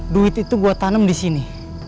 duit itu gue tanam di sini